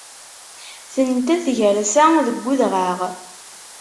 Tenta tgersa deg udɣaɣ.